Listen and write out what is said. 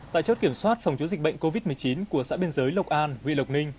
tại chốt kiểm soát phòng chống dịch bệnh covid một mươi chín của xã biên giới lộc an huyện lộc ninh